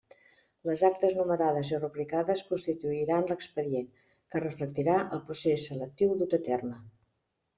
Les actes numerades i rubricades constituiran l'expedient, que reflectirà el procés selectiu dut a terme.